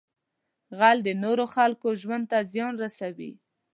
غل د نورو خلکو ژوند ته زیان رسوي